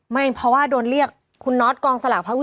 ไม่เพราะว่าโดนเรียกคุณน็อตกองสลากพัก